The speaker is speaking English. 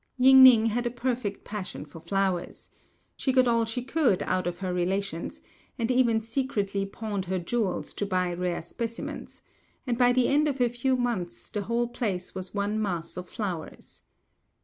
Ying ning had a perfect passion for flowers. She got all she could out of her relations, and even secretly pawned her jewels to buy rare specimens; and by the end of a few months the whole place was one mass of flowers.